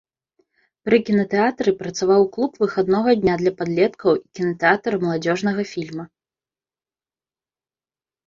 Пры кінатэатры працаваў клуб выхаднога дня для падлеткаў і кінатэатр маладзёжнага фільма.